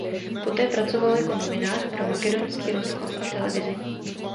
Poté pracoval jako novinář pro makedonský rozhlas a televizi.